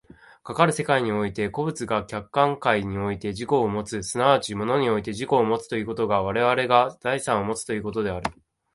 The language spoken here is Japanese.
かかる世界において個物が客観界において自己をもつ、即ち物において自己をもつということが我々が財産をもつということである。